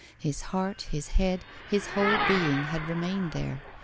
His heart, his head, his whole being had remained there.